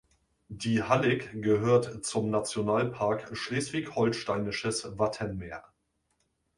Die Hallig gehört zum Nationalpark Schleswig-Holsteinisches Wattenmeer.